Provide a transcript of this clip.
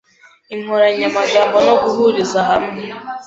inkoranyamagambo no guhuriza hamwe